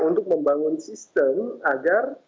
untuk membangun sistem agar